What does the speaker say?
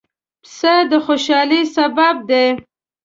پسه د خوشحالۍ سبب دی.